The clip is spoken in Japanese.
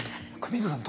水野さん